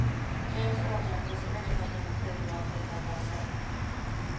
James Earl Jones was originally going to play the role played by Gossett.